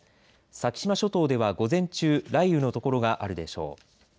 先島諸島では午前中、雷雨の所があるでしょう。